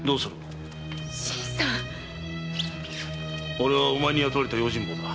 俺はお前に雇われた用心棒だ。